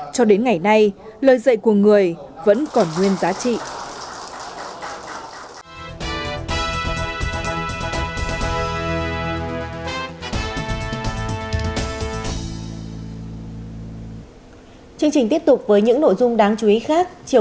cho đến ngày nay lời dạy của người vẫn còn nguyên giá trị